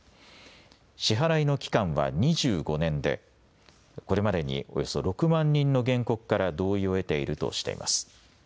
支払いの期間は２５年でこれまでにおよそ６万人の原告から同意を得ているとしてます。